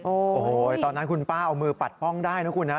โอ้โหตอนนั้นคุณป้าเอามือปัดป้องได้นะคุณนะ